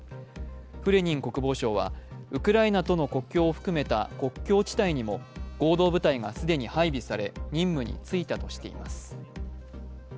フレニン国防相はウクライナとの国境を含めた国境地帯にも合同部隊が既に配備され任務に就いたとしています。